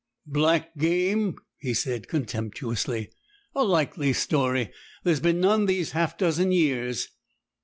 'Black game!' he said contemptuously. 'A likely story. There's been none these half dozen years.'